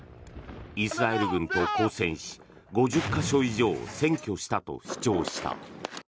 イスラエル軍と交戦し５０か所以上を占拠したと主張した。